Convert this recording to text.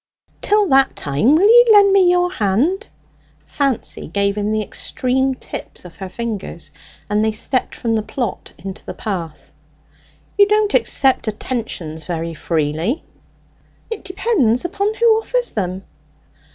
"Till that time will ye lend me your hand?" Fancy gave him the extreme tips of her fingers, and they stepped from the plot into the path. "You don't accept attentions very freely." "It depends upon who offers them."